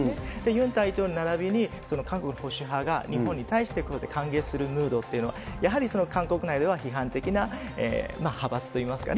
ユン大統領ならびに韓国の保守派が日本に対してこうやって歓迎するムードというのは、やはり韓国内では批判的な派閥といいますかね。